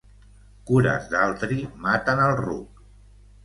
Cures d'altri maten el ruc.